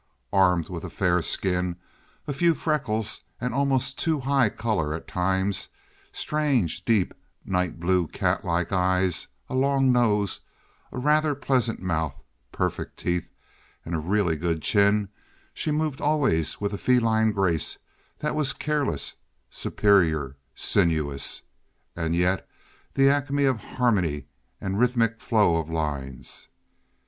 Armed with a fair skin, a few freckles, an almost too high color at times, strange, deep, night blue, cat like eyes, a long nose, a rather pleasant mouth, perfect teeth, and a really good chin, she moved always with a feline grace that was careless, superior, sinuous, and yet the acme of harmony and a rhythmic flow of lines.